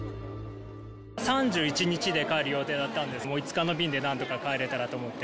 ３１日で帰る予定だったんですが、もう５日の便でなんとか帰れたらと思って。